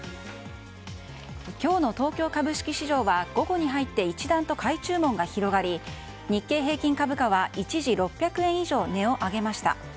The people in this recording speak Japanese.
今日の東京株式市場は午後に入って一段と買い注文が広がり日経平均株価は一時６００円以上値を上げました。